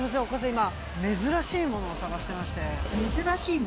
今珍しいものを探してまして。